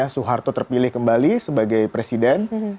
soeharto terpilih kembali sebagai presiden